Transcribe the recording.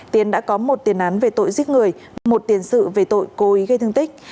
tiến đã có một tiền án về tội giết người một tiền sự về tội cố ý gây thương tích